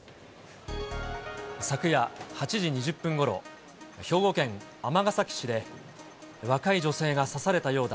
昨夜８時２０分ごろ、兵庫県尼崎市で、若い女性が刺されたようだ。